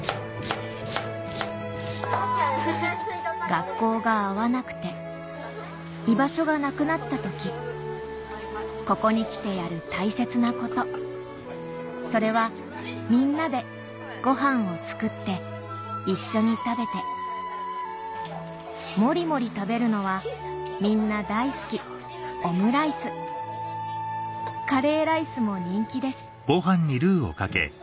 学校が合わなくて居場所がなくなった時ここに来てやる大切なことそれはみんなでごはんを作って一緒に食べてもりもり食べるのはみんな大好きオムライスカレーライスも人気です・